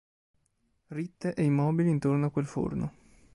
Ritte e immobili intorno a quel forno.